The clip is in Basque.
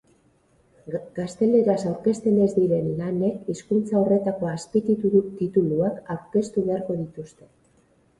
Gazteleraz aurkezten ez diren lanek hizkuntza horretako azpitituluak aurkeztu beharko dituzte.